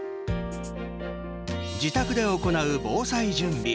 自宅で行う防災準備。